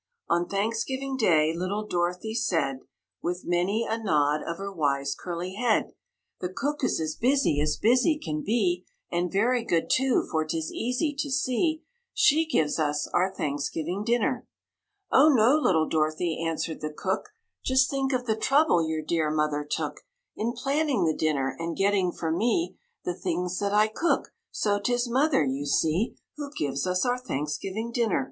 On Thanksgiving Day little Dorothy said, With many a nod of her wise, curly head, "The cook is as busy as busy can be, And very good, too, for 'tis easy to see She gives us our Thanksgiving Dinner." "Oh, no! little Dorothy," answered the cook, "Just think of the trouble your dear mother took In planning the dinner and getting for me The things that I cook; so, 'tis Mother, you see, Who gives us our Thanksgiving Dinner."